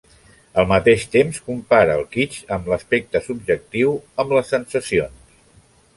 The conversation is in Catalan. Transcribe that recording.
Al mateix temps, compara el kitsch amb l’aspecte subjectiu, amb les sensacions.